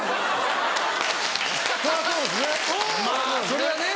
それはね。